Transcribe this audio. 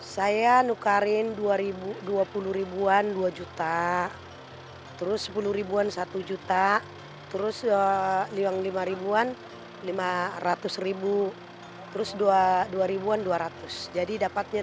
saya menukarkan rp dua puluh rp dua juta rp sepuluh rp satu juta rp lima rp lima ratus rp dua rp dua ratus jadi dapatnya rp tiga tujuh ratus